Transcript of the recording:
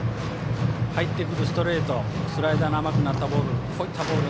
入ってくるストレートスライダーの甘くなったボール